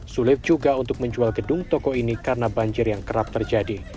sulit juga untuk menjual gedung toko ini karena banjir yang kerap terjadi